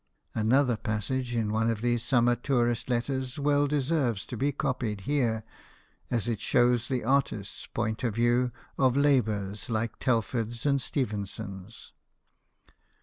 Another passage in one of these summer tourist letters well deserves to be copied here, as it shows the artist's point of view of labours like Telford's and Stephenson's.